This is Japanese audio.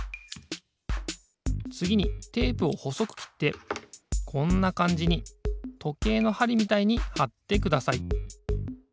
つぎにテープをほそくきってこんなかんじにとけいのはりみたいにはってください。